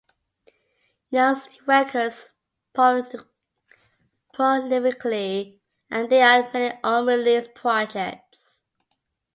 Youngs records prolifically and there are many unreleased projects.